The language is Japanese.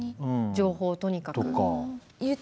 情報をとにかく？とか。